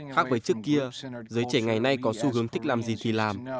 khác với trước kia giới trẻ ngày nay có xu hướng thích làm gì thì làm